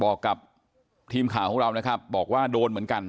บอกกับทีมข่าวของเรานะครับบอกว่าโดนเหมือนกัน